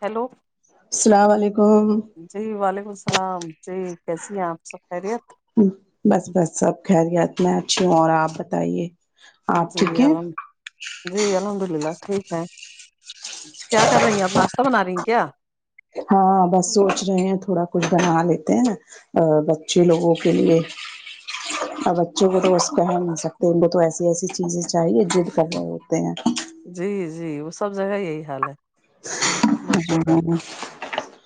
hello السلام علیکم جی وعلیکم السلام جی کیسی ہیں آپ سب خیریت بس بس سب خیریت میں اچھی ہوں اور آپ بتائیے آپ جی ٹھیک ہے الحمد جی الحمد للہ ٹھیک ہیں کیا کر رہی ہیں آپ ناشتہ بنا رہی ہیں کیا ہاں بس سونچ رہے ہیں تھوڑا کچھ بنا لیتے ہیں نا ا بچے لوگوں کے لیے بچوں کو تو بس کہہ ہی نہیں سکتے ان کو تو ایسی ایسی چیزیں چاہیے ضد کر رہے ہوتے ہیں جی جی وہ سب جگہ یہی حال ہے بچوں کا ہاں،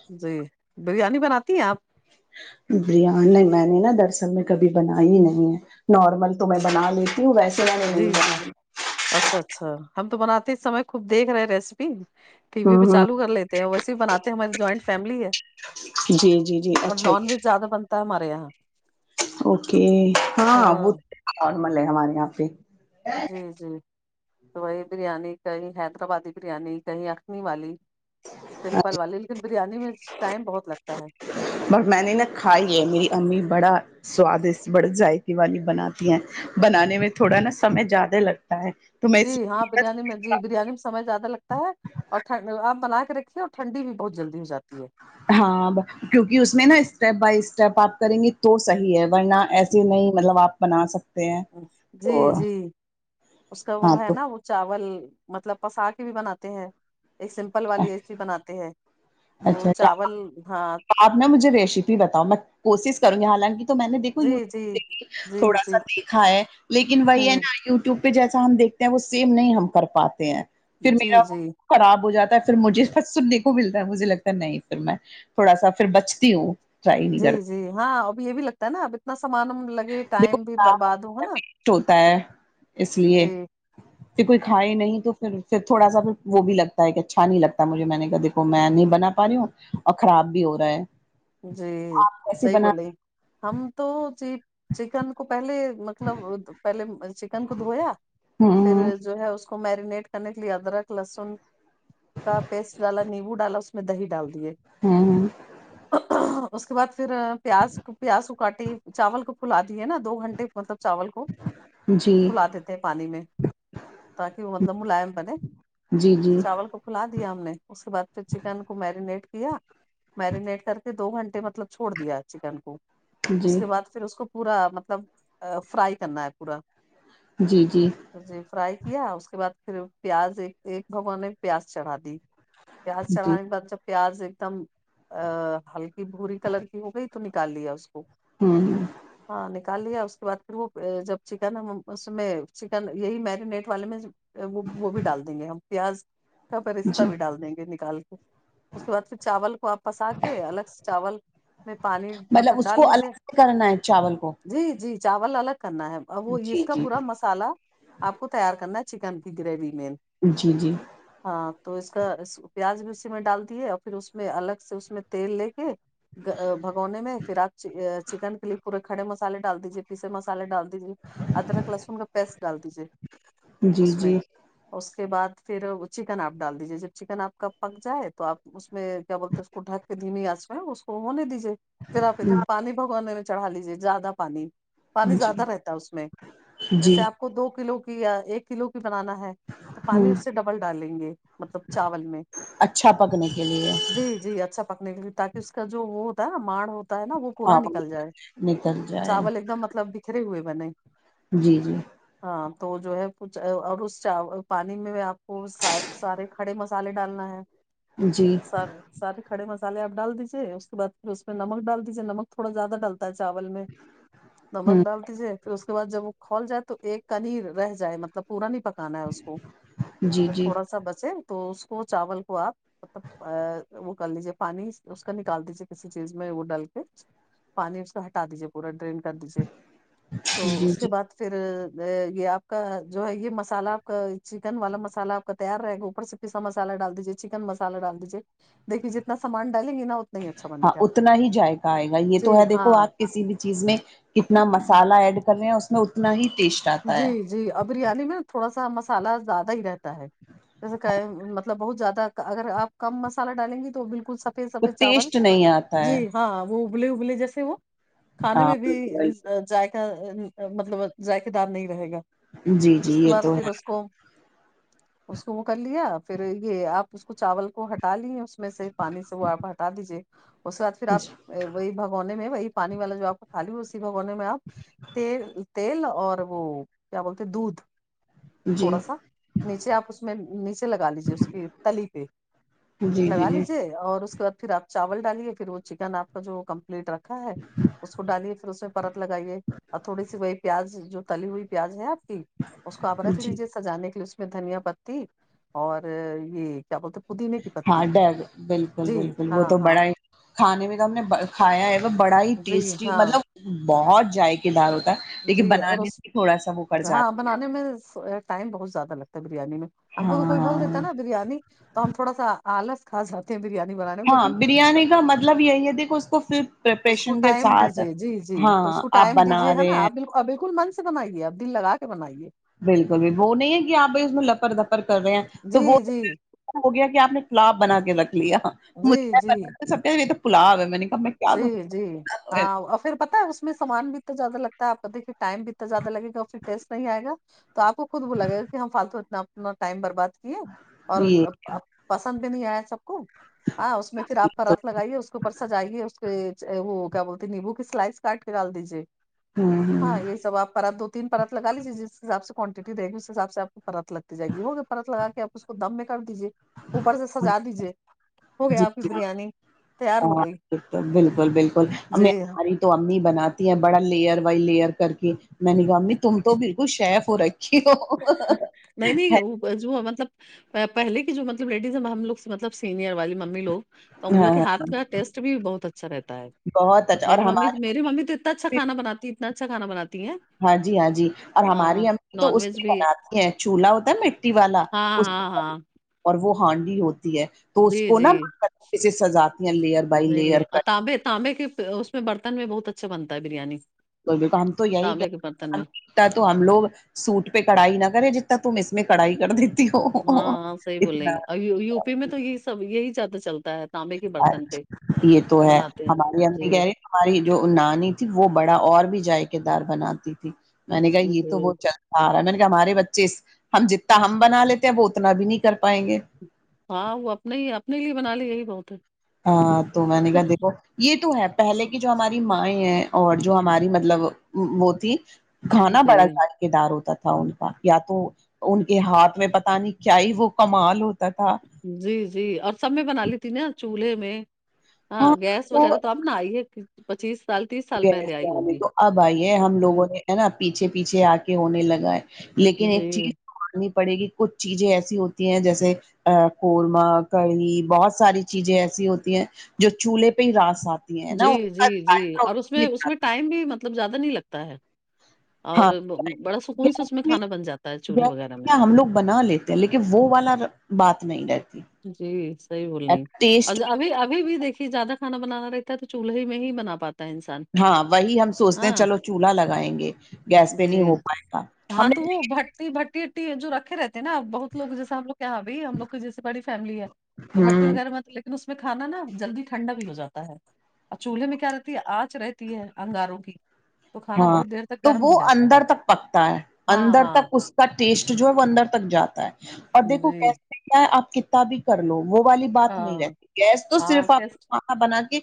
جی بریانی بناتی ہیں آپ بریانی میں نے نا دراصل میں کبھی بنائی نہیں ہے نارمل تو میں بنا لیتی ہوں ویسے میں نے نہیں جی جی بنائی اچھا اچھا ہم تو بناتے سمے خوب دیکھ رہے ریسیپی ٹی وی پہ ہوں ہوں چالو کر لیتے ویسے بناتے ہیں ہماری جوائنٹ فیملی ہے جی جی جی اور اچھا نان ویج زیادہ بنتا ہے ہمارے یہاں اوکے ہاں وہ تو نارمل ہے ہمارے یہاں پہ جی جی تو وہی بریانی کہیں حیدرآبادی بریانی کہیں اخنی والی سمپل والی لیکن بریانی میں ٹائم بہت لگتا ہے ب میں نے نا کھائی ہے میری امی بڑا سوادس بڑی ذائقی والی بناتی ہیں بنانے میں تھوڑا نا سمے زیادہ لگتا ہے تو میں جی اس ہاں بریانی میں جی بریانی میں سمے زیادہ لگتا ہے اور ٹھڈ آپ بنا کے رکھیے اور ٹھنڈ بھی بہت جلدی ہو جاتی ہے ہاں کیونکہ اس میں نا اسٹیپ بائی اسٹیپ آپ کریں گے تو صحیح ہے ورنہ ایسی نہیں مطلب آپ بنا سکتے ہیں جی تو جی اس کا ہاں وہ ہے تو نا وہ چاول مطلب پسا کے بھی بناتے ہیں ایک سمپل والی ا سسی بناتے ہیں تو اچھا اچھا چاول ہاں آپ نہ مجھے ریسیپی بتاؤ میں کوشش کروں گی حالانکہ تو میں نے دیکھو جی یوٹیوب جی سے بھی جی تھوڑا سا جی دیکھا ہے لیکن وہی ہے ہوں نا یو ٹیوب پہ جیسا ہم دیکھتے ہیں وہ سیم نہیں ہم کر پاتے ہیں پھر جی میرا جی خراب ہو جاتا ہے پھر مجھے بس سننے کو مل تا ہے مجھے لگتا نہیں پھر میں تھوڑا سا پھر بچتی ہوں ٹرائی نہیں جی جی کرتی ہاں اب یہ بھی لگتا ہے نا اب اتنا سامان لگے ٹائم بھی برباد ہو ہے نا دیکھوٹ ہوتا ہے اس لیے جی پھر کوئی کھائے نہیں تو پھر پھر تھوڑا سا پھر وہ بھی لگتا ہے ایک اچھا نہیں لگتا مجھے میں نے کہ د میں نہیں بنا پا رہی ہوں اور خراب بھی ہو رہا ہے جی آپ کیسے صحیح بنا بولے ہم تو جی چکن کو پہلے مطلب پہلے چکن کو دھویا پھر ہوں جو ہے اس کو کو میرینیٹ کرنے کے لئے ادرک لہسن کا پیسٹ ڈالا نیمبو ڈالا اس میں میں دہی ڈال دی ہے ہاں اس کے بعد پھر پیاز پیاز کو کاٹی چاول کو کلا دیے نا دو گھنٹے مطلب چاول کو جی فلا دیتے ہیں پانی میں تاکہ وہ مطلب ملائم بنے جی جی چاول کو کلا دیا ہم نے اس کے بعد پھر چکن کو میرینیٹ کیا میرینیٹ کر دو گھنٹے مطلب چھوڑ دیا چکن کو اس جی کے بعد پھر اس کو پورا مطلب فرائی کرنا ہے پورا جی جی فرائی کیا اس کے بعد پھر پیاز ایک ایک بھگوان نے پیاز چڑھا دی پیاز چڑھانے کے ہوں بعد جب پیاز ایک دم ہلکی بھور کلر کی ہو گئی تو نکال لیا اس کو ہوں ہاں نکال لیا اس کے بعد پھر وہ جب چکن اس میں چکن یہی میرینیٹ والے میں وہ بھی ڈال دیں گے ہم پیاز کا پہ جی رشہ بھی ڈال دیں گے نکال کے اس کے بعد پھر چاول کو آپ یہ الگ سے چاول میں پانی مطلب اس ڈال کو لیجیے الگ سے کرنا ہے چاول کو جی جی چاول الگ کرنا ہے اور وہ جی اس کا جی پورا مس سالا آپ کو تیار کرنا چکن کی گریوی میں جی جی ہاں تو اس کا پیاز بھی اسی میں ڈال دیے اور پھر اس میں الگ سے اس میں تیل لے کے بگونے میں پھر آپ چکن کے لیے پورے کھڑے مسالے ڈال دیجیے پیے مسالے ڈال دیجے ادرک لہسن کا پیسٹ ڈال دیجیے جی اس میں جی اس کے بعد پھر چکن آپ ڈال دیجیے جب چکن آپ کا پک جائے تو آپ اس میں کیا بولتے ہیں اس کو ڈھک کے دھیمی آس میں اس کو ہونے دیجے پھر آپ ادھر پانی بگوانے میں چڑھا لیجیے زیادہ پانی پانی جی زیادہ رہتا ہے اس میں جیسے جی آپ کو دو کلو کی یا ایک کلو کی بنانا ہے تو پانی ہوں اس سے ڈبل ڈالیں گے مطلب چاول میں اچھا پکنے کے لیے جی جی اچھا پکنے کے لیے تاکہ اس کا جو وہ ہوتا ہے نا ماڑ ہوتا ہے نا وہ پورا آپ نکل جائے نکل جائے چاول ایک دم مطلب بکھرے ہوئے بنے جی جی ہاں تو جو ہے کچھ اور اس چاول پانی میں آپ کو سا سارے کھڑے مسالے ڈالنا ہے جی سار سارے کڑے مسالے آپ ڈال دیجیے اس کے بعد پھر اس میں نمک ڈال دیجیے نمک تھوڑا زیادہ ڈال تا چاول میں ہوں نمک ڈال دیجے پھر اس کے بعد جب وہ کھول جائے تو ایک کانی رہ جائے مطلب مطلب پورا نہیں پکانا ہے اس کو جی جب جی تھوڑا سا بچے تو اس کو چاول کو آپ مطلب وہ کر لیجیے پانی اس کا نکال دیجیے کسی چیز میں وہ ڈل کے پانی اس کو ہٹا دیجیے پورا ڈرین کر دیجے تو جی اس کے جی بعد پھر یہ آپ کا جو ہے یہ مسالہ آپ کا چکن والا مسالہ آپ کا تیار رہے گا اوپر سے پسا مسالہ ڈال دیجیے چکن مسالہ ڈال دیجیے دیکھیے جتنا سامان ڈالیں گے نا اتنا ہی اچھا ہاں بنے گا اتنا ہی جذائقہ آئے گا یہ جی تو ہے دیکھو ہاں آپ کسی بھی چیز میں کتنا مسالا ایڈ کر رہے ہیں اس میں اتنا ہی ٹیسٹی جی جی بریانی میںں تھوڑا سا مسالہ زیادہ ہی رہتا ہے جیسے کہ مطلب بہت زیادہ اگر آپ کم مسالہ ڈالیں گی تو بالکل سفید وہ سفید چاول ٹیسٹ نہیں آتا ہے جی ہاں وہ ابلے ابلے جیسے وہ کھانے ہاں میں بھی بالکل جائق مطلب ذائقے دار نہیں رہے گا جی جی اس کے یہ بعد تو پھر اس کو اس کو وہ کر لیا پھر یہ آپ اس کو چاول وہ ہٹا لی اس میں سے پانی سے وہ آپ ہٹا دیجیے اس کے بعد پھر ہے آپ وہی بگونے میں وہی پانی والا جو آپ کو خالی ہو اسی بھگونے میں آپ تیل تیل اور وہ کیا بولتے دودھ جی تھوڑا سا نیچے آپ اس میں نیچے لگا لیجیے اس کی تلی پہ جی جی لگا جی لیجیے اور اس کے بعد پھر آپ چاول ڈالیے پھر وہ چکن آپ کا جو کمپلیٹ رکھ رکھا ہے اس کو ڈالیے پھر اس میں پرت لگائیے اور تھوڑی سی وہی پیاز جو تلی ہوئی پیاز ہے آ پکی اس کو آپ رکھ جی لیجیے سجانے کےلیے اس میں دھنیا پتی اور یہ کیا بولتے پودینے کی پتی ماڈال بالکل جی بالکل وہ ہاں تو ہاں بڑا ہی کھانے میں تو ہم نے کھایا ہے وہ بڑا ہی جی ٹیسٹی ہاں مطلب بہت ذائقے دار ہوتا ہے جی لیکن اور بنانے اس سے تھوڑا سا وہ کر ہاں جاتا بنانے ٹائم بہت زیادہ لگتا ہے بریانی میں ہیں ہم کو تو کوئی بول دیتا ہے ہاں نا بریانی تو ہم تھوڑا سا آلس کا جاتے ہیں بریانی بنانے میں ہاں لیکن بریانی کا مطلب یہی ہے دیک کہ اس کو فھر پریپریشن کے جی ساتھ جی جی ہاں تو اس کو آپ ٹائم بنا دیجیے رہے نا ہیں آ بالکل من سے بنائیے اپ دل لگا کے بنائیے بالکل بھی وہ نہیں ہے کہ آپ اس میں لپڑ دپڑ کر رہے ہیں تو جی وہ جی ہو گیا کہ آپ نے پلاب بنا کے رکھ لیا جی مجھے ب جی سب یہ تو پولاو ہے میں نے کہا میں کیا جی جی کروں ہاں اور پھر پتا ہے اس اس میں سامان بھی اتنا زیادہ لگتا ہے آپ دیکے ٹائم بھی اتنا زیادہ لگ گا پھر ٹیسٹ نہیں آئےگا تو آپ کو خود بلا گا کہ ہاں فالتو اتنا اپنا ٹائم برباد اور جی پسند بھی نہیں آیا سب کو ہاں اس میں پھر آپ تو پرت لگائیے اس کے اوپر سجائیے اس کو وہ کیا بولتے ہیں نیمبو کی سلائس کاٹ کے ڈال دیجیے ہاں ہاں ہایہ سب آپ پرات دو تین پرات لا لگا لیجیے جس حساب سے کوانٹٹی دی اس حساب سے آپ کو پرات لگ جائے گی وہ پرت لگا کے آپ اس کو دم میں کر دیجیے اوپر سے سجا دیجیے ہو گیا جی آپ کی جی بریانی تیار ہوگی ہاں، بالکل بالکل ہاں تو امی بناتی ہے بڑا لیئر وائی لیئر کر کے میں نے کہا امی تم تو بالکل شیف ہو رہی نہیں نہیں جو مطلب پھ پہلے کی جو مطلب رڈیز ہم لوگ سے مطلب سینئر والی ممی لوگ تو ان لوگ کے ہاں ہاتھ کا ٹیسٹ بھی بہت اچھا رہتا ہے بہت اچھا اور میری ممی میری ہمارے ممی تو اتنا اچھا کھا بنی اتنا اچھا کھا بنتی ہے ہاں جی ہاں جی اور ہماری امی تو نان اس ویج بھی بناتی ہیں چولہا ہوتا ہے مٹی والا ہاں اس ہاں ہاں اور وہ ہانڈی ہوتی ہے تو اس جی کو نا جی من کرتا کسی سزاتیاں لے جی اور تانبے تانبے کے اس میں برتن میں بہت اچھا بنتا ہے بریانی بک ہم تو یہی کہ تانبے کے برتن میں ا تو ہم لوگ سوٹ پہ کڑھائی نہ کرے جتنا تم اس میں کڑائی کر دی ہاں ہاں صحیح بول رہی اتنا ہیں اور یو پی میں تو یہی سب یہی زیادہ چلتا ہے تانبے کے برتن پہ اچھا یہ تو ہے بناتے ہیں ہمارے اممی جی کہہ رہے ہماری جو نانی تھی وہ بڑا اور بھی ذائقے دار بناتی تھی میں نے کہا یہ تو جی بہت سارا میں نے کہ ہمارے بچے ہم جتنا ہم بنا لیتے ہیں وہ اتنا بھی نہیں کر پائیں گے ہاں وہ اپنے ہی اپنے لیے بنا لیے یہی بہت ہے ہاں تو میں نے کہ دیکھو یہ تو ہے پہلے کی جو ہماری مائیں ہیں اور جو ہماری مطلب وہ تھی کھانا جی بڑا ذائقے دار ہوتا تھا ان کا یا تو ان کے ہاتھ میں پتہ نہیں کیا ہی وہ کمال ہوتا تھا جی جی اور سب میں بنا لی تھی نا چولہے میں ہاں گیس وغیرہ تو آپ بناائی اے پچیس سال تیس گیس جے تو اب آئیے ہم لوگوں ہوں نے ہے نا پیچھے پیچھے آ کے ہونے لگا ہے لیکن جی ایک چیز ماننی پڑے گی کچھ چیزیں ایسی ہوتی ہیں جیسے ا قورمہ کڑھی بہت ساری چیزیں ایسی ہوتی ہیں جو چولہے پہ ہی راس آتی ہیں نا جی ان جی کا جی ذائقہ اور اس میں اس میں ٹائم بھی مطلب زیادہ نہیں لگتا ہے اور ہاں بڑا سکون سے اس میں کھانا بن جاتا ہے چولہے وغیرہ میں ہم لوگ بنا لے لیکن وہ والا بات نہیں رہتی جی صحیح بول رہے ہیں ٹیسٹ ابھی ابھی بھی دیکھیے زیادہ کھانا بنانا رہتا ہے تو چولہے میں ہی بنا پاتا ہے انسان ہاں وہی ہم سوچتے ہیں ہاں چلو چولہا لگائیں گے گیس پہ نہیں جی ہو پائے گا ہم ہاں نے تو وہ بھٹی بھٹی اٹی جو رکھے رہتے ہیں نا بہت لوگ جیس ہم لوگ یہاں بھی ہم لوگ جیے بڑی فیملی ہے تو ہ بٹی وغیرہ میں لیکن اس میں کھانا نا جلدی ٹھنڈا بھی ہو جاتا ہے اور چولہے میں کیا رہتی ہے آنچ رہتی ہے انگاروں کی تو خا ہاں تو وہ اندر تک پکتا ہے ہاں اندر ہاں تک اس کا ٹیسٹ جو ہے وہ اندر تک جاتا ہے اور دیکھو جی گیس ہے آپ کتتا بھی کر لو وہ والی بات نہیں ہاں رہتی گیس تو ہاں صرف ٹیسٹ آپ بنا کے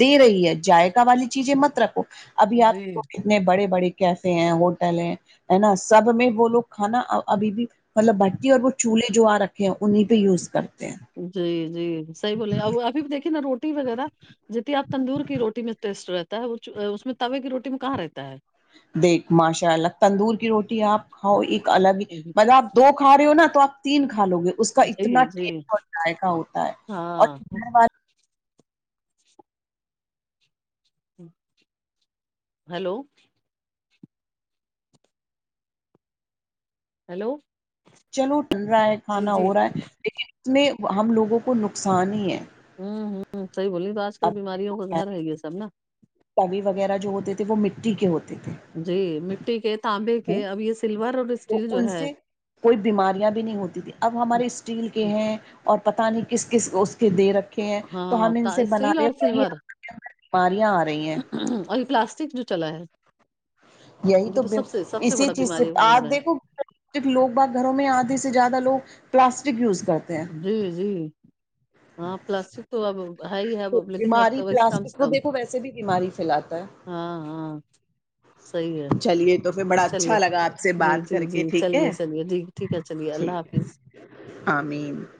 دے رہی ہے جائقا والی چیز ہے متر کو ابھی آپ جی اتنے بڑے بڑے کیفے ہیں ہوٹل ہیں ہے نا سب میں وہ لوگ کھانا ابھی بھی مطلب بھٹی اور وہ چولہے جو آ رکھے ہیں انہیں پہ یوز کرتے ہیں جی جی صحیح بولے ابھی بھی دیکھیے نا روٹی وغیرہ جیت آپ تندور کی روٹی میں ٹیسٹ رہتا ہے وہ اس میں توے کی روٹی میں کہاں رہتا ہے دیکھ ماشاء اللہ تندور کی روٹی آپ کھاؤ ایک الگ ہی مطلب آپ دو کھا رہے ہو نا تو آپ تین کھا لو گے اس کا اتنا جی جی ٹیٹ اور ذائقہ ہوتا ہے ہاں اورگھر والے ہلو ہیلو چلو ٹن را ہے جی کھانا جی ہو رہا ہے لیکن اس میں ہم لوگوں کو نقصان ہی ہے ہوں ہم صحیح بولی تو آج کل اب بیماریوں کا گھر ہے یہ سب نا توی وغیرہ جو ہوتے تھے وہ مٹی کے ہوتے تھے جی مٹی کے تانبے کے اب یہ سلور اور اسٹیل جو ان ہے سے کوئی بیماریاں بھی نہیں ہوتی تھیں اب ہمارے اسٹیل کے ہیں اور پتہ نہیں کس کس اس کے دے رکھے ہیں تو ہاں ہم ان سے بنا اسٹیل اور رہے ہی سلور ماریا آ رہی ہیں اور یہ پلاسٹک جو چلا ہے یہی یہ تو سب سے سب اسی بڑا چیز سے بیماریوں کا گھر آپ ہے دیکھو لوگ باز گھروں میں آدھے سے زیادہ لوگ پلاسٹک یوز کرتے ہیں جی جی ہاں پلاسٹک تو اب ہھائی ہے وہ تو اب لیکن اب بیماری کم سے پلاسٹک کو کم دیکھو ویسے بھی بیماری پھیلاتا ہے ہاں ہاں صحیح ہے چلیے تو پھر بڑا چلیے اچھا لگا آپ سے جی بات جی کر کے جی ٹھیک ہے چلیے چلیے جی ٹھیک ہے چلیے اللہ ٹھیک حافظ ہے آمین